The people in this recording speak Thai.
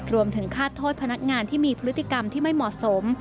รวมถึงฆาตโทษพนักงานที่มีพฤติกรรมที่ไม่เหมาะสม